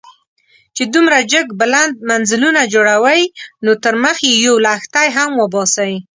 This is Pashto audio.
چې دومره جګ بلند منزلونه جوړوئ، نو تر مخ يې يو لښتی هم وباسئ.